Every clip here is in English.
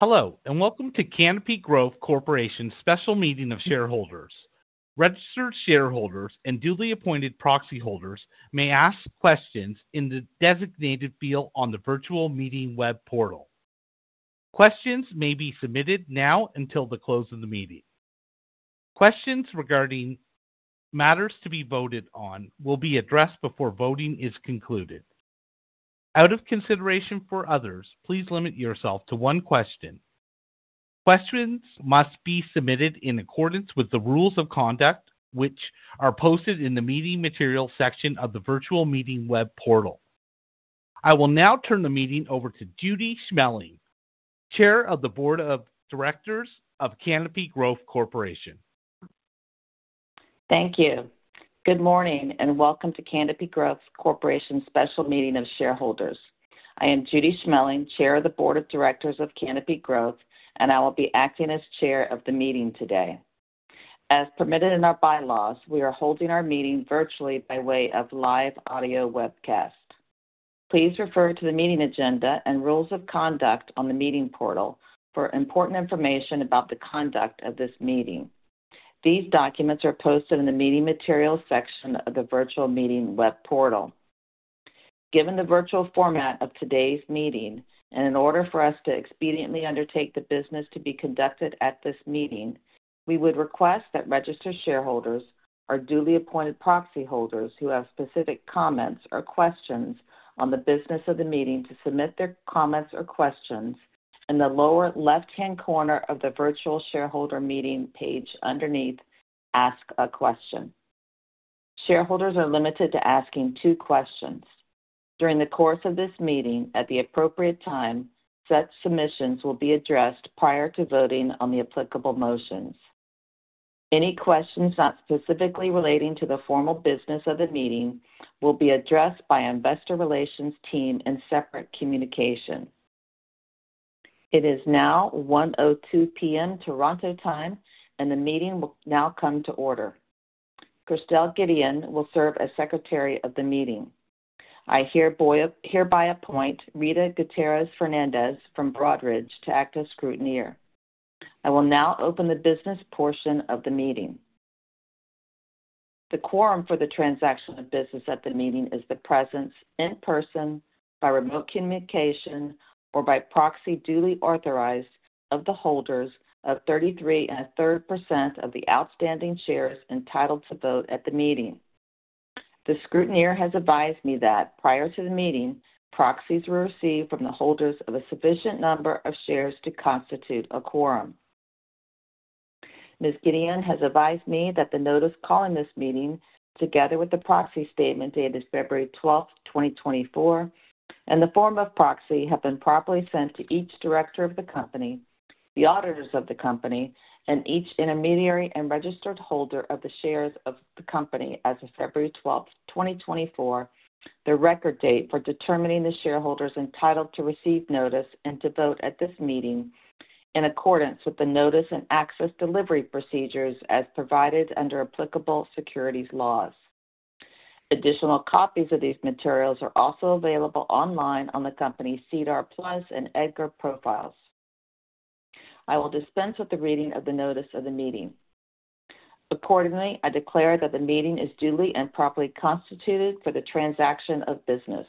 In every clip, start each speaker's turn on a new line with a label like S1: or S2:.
S1: Hello and welcome to Canopy Growth Corporation's special meeting of shareholders. Registered shareholders and duly appointed proxy holders may ask questions in the designated field on the virtual meeting web portal. Questions may be submitted now until the close of the meeting. Questions regarding matters to be voted on will be addressed before voting is concluded. Out of consideration for others, please limit yourself to one question. Questions must be submitted in accordance with the rules of conduct which are posted in the meeting material section of the virtual meeting web portal. I will now turn the meeting over to Judy Schmeling, Chair of the Board of Directors of Canopy Growth Corporation.
S2: Thank you. Good morning and welcome to Canopy Growth Corporation's special meeting of shareholders. I am Judy Schmeling, Chair of the Board of Directors of Canopy Growth, and I will be acting as Chair of the meeting today. As permitted in our bylaws, we are holding our meeting virtually by way of live audio webcast. Please refer to the meeting agenda and rules of conduct on the meeting portal for important information about the conduct of this meeting. These documents are posted in the meeting material section of the virtual meeting web portal. Given the virtual format of today's meeting and in order for us to expediently undertake the business to be conducted at this meeting, we would request that registered shareholders or duly appointed proxy holders who have specific comments or questions on the business of the meeting to submit their comments or questions in the lower left-hand corner of the virtual shareholder meeting page underneath "Ask a Question." Shareholders are limited to asking two questions. During the course of this meeting, at the appropriate time, such submissions will be addressed prior to voting on the applicable motions. Any questions not specifically relating to the formal business of the meeting will be addressed by our investor relations team in separate communication. It is now 1:02 P.M. Toronto time, and the meeting will now come to order. Christelle Gedeon will serve as Secretary of the Meeting. I hereby appoint Rita Gutierrez-Fernandez from Broadridge to act as scrutineer. I will now open the business portion of the meeting. The quorum for the transaction of business at the meeting is the presence in person, by remote communication, or by proxy duly authorized of the holders of 33.3% of the outstanding shares entitled to vote at the meeting. The scrutineer has advised me that prior to the meeting, proxies were received from the holders of a sufficient number of shares to constitute a quorum. Ms. Gedeon has advised me that the notice calling this meeting, together with the proxy statement dated February 12th, 2024, and the form of proxy have been properly sent to each director of the company, the auditors of the company, and each intermediary and registered holder of the shares of the company as of February 12th, 2024, the record date for determining the shareholders entitled to receive notice and to vote at this meeting in accordance with the notice and access delivery procedures as provided under applicable securities laws. Additional copies of these materials are also available online on the company's SEDAR+ and EDGAR profiles. I will dispense with the reading of the notice of the meeting. Accordingly, I declare that the meeting is duly and properly constituted for the transaction of business.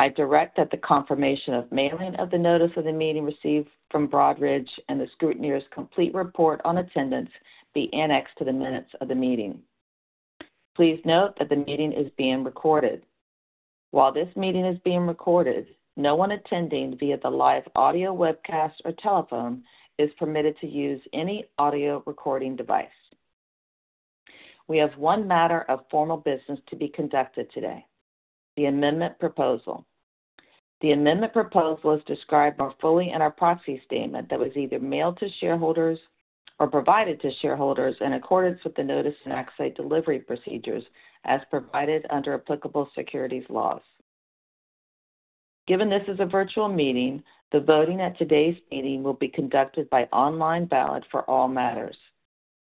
S2: I direct that the confirmation of mailing of the notice of the meeting received from Broadridge and the scrutineer's complete report on attendance be annexed to the minutes of the meeting. Please note that the meeting is being recorded. While this meeting is being recorded, no one attending via the live audio webcast or telephone is permitted to use any audio recording device. We have one matter of formal business to be conducted today: The Amendment Proposal. The Amendment Proposal is described more fully in our proxy statement that was either mailed to shareholders or provided to shareholders in accordance with the notice and access delivery procedures as provided under applicable securities laws. Given this is a virtual meeting, the voting at today's meeting will be conducted by online ballot for all matters.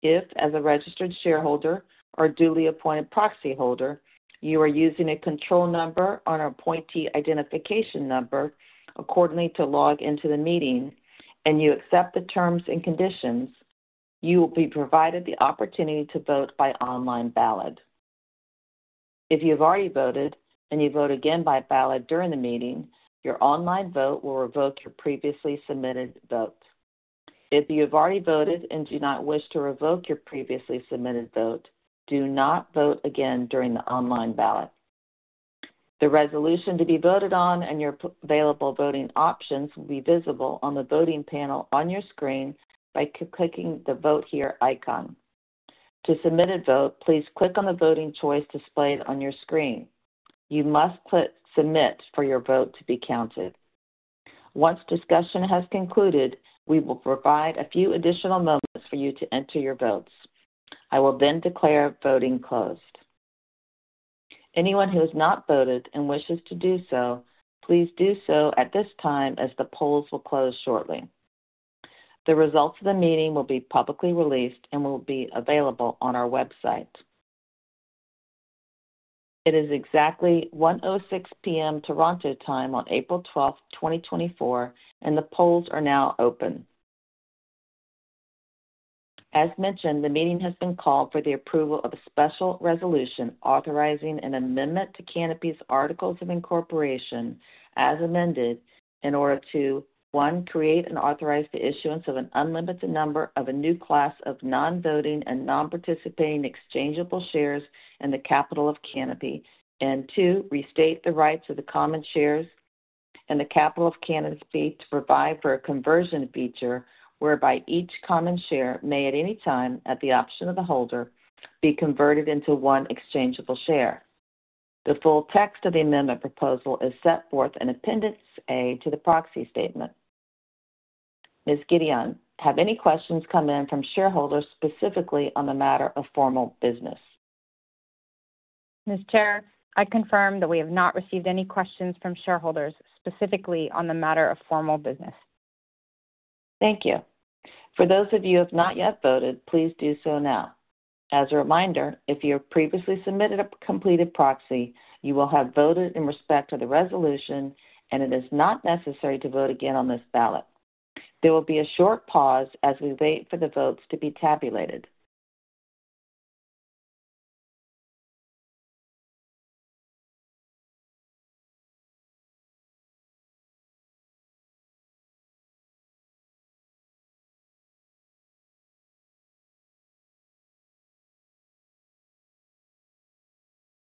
S2: If, as a registered shareholder or duly appointed proxy holder, you are using a control number or an appointee identification number accordingly to log into the meeting and you accept the terms and conditions, you will be provided the opportunity to vote by online ballot. If you have already voted and you vote again by ballot during the meeting, your online vote will revoke your previously submitted vote. If you have already voted and do not wish to revoke your previously submitted vote, do not vote again during the online ballot. The resolution to be voted on and your available voting options will be visible on the voting panel on your screen by clicking the "Vote Here" icon. To submit a vote, please click on the voting choice displayed on your screen. You must click "Submit" for your vote to be counted. Once discussion has concluded, we will provide a few additional moments for you to enter your votes. I will then declare voting closed. Anyone who has not voted and wishes to do so, please do so at this time as the polls will close shortly. The results of the meeting will be publicly released and will be available on our website. It is exactly 1:06 P.M. Toronto time on April 12th, 2024, and the polls are now open. As mentioned, the meeting has been called for the approval of a special resolution authorizing an amendment to Canopy's Articles of Incorporation as amended in order to, 1, create and authorize the issuance of an unlimited number of a new class of non-voting and non-participating exchangeable shares in the capital of Canopy, and 2, restate the rights of the common shares in the capital of Canopy to provide for a conversion feature whereby each common share may at any time, at the option of the holder, be converted into one exchangeable share. The full text of the amendment proposal is set forth in Appendix A to the proxy statement. Ms. Gedeon, have any questions come in from shareholders specifically on the matter of formal business?
S3: Ms. Chair, I confirm that we have not received any questions from shareholders specifically on the matter of formal business.
S2: Thank you. For those of you who have not yet voted, please do so now. As a reminder, if you have previously submitted a completed proxy, you will have voted in respect of the resolution, and it is not necessary to vote again on this ballot. There will be a short pause as we wait for the votes to be tabulated.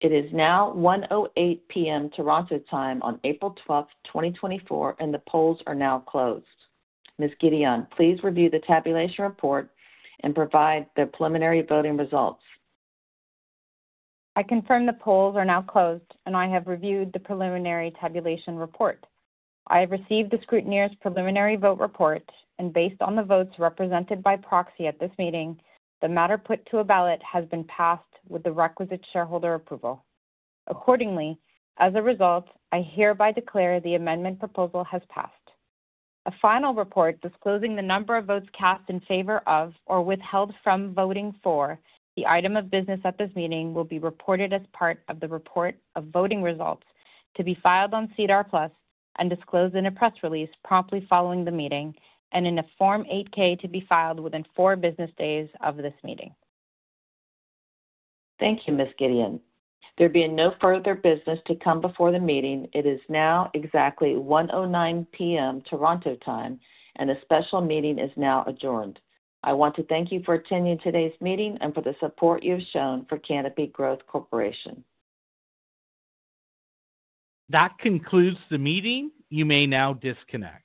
S2: It is now 1:08 P.M. Toronto time on April 12th, 2024, and the polls are now closed. Ms. Gedeon, please review the tabulation report and provide the preliminary voting results.
S3: I confirm the polls are now closed, and I have reviewed the preliminary tabulation report. I have received the scrutineer's preliminary vote report, and based on the votes represented by proxy at this meeting, the matter put to a ballot has been passed with the requisite shareholder approval. Accordingly, as a result, I hereby declare the Amendment Proposal has passed. A final report disclosing the number of votes cast in favor of or withheld from voting for the item of business at this meeting will be reported as part of the report of voting results to be filed on SEDAR+ and disclosed in a press release promptly following the meeting and in a Form 8-K to be filed within four business days of this meeting.
S2: Thank you, Ms. Gedeon. There being no further business to come before the meeting, it is now exactly 1:09 P.M. Toronto time, and the special meeting is now adjourned. I want to thank you for attending today's meeting and for the support you have shown for Canopy Growth Corporation.
S1: That concludes the meeting. You may now disconnect.